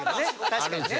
確かにね。